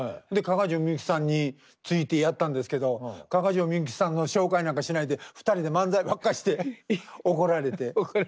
で加賀城みゆきさんについてやったんですけど加賀城みゆきさんの紹介なんかしないで２人で漫才ばっかして怒られて。